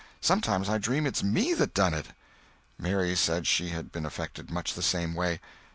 Sometimes I dream it's me that done it." Mary said she had been affected much the same way.